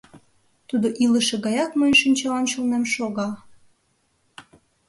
Тудо илыше гаяк мыйын шинча ончылнем шога.